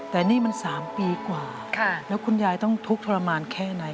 แต่นี่มัน๓ปีกว่าแล้วคุณยายต้องทุกข์ทรมานแค่ไหน